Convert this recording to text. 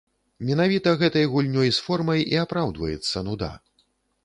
Менавіта гэтай гульнёй з формай і апраўдваецца нуда.